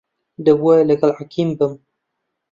دەبوایە لەگەڵ حەکیم بم.